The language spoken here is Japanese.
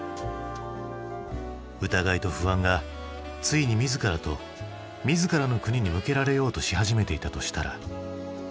疑いと不安がついに自らと自らの国に向けられようとし始めていたとしたら。